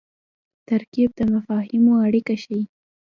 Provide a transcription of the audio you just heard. ترکیب د مفاهیمو اړیکه ښيي.